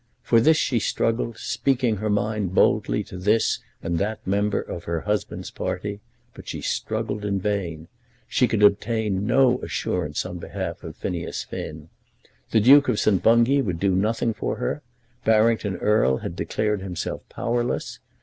For this she struggled, speaking her mind boldly to this and that member of her husband's party, but she struggled in vain. She could obtain no assurance on behalf of Phineas Finn. The Duke of St. Bungay would do nothing for her. Barrington Erle had declared himself powerless.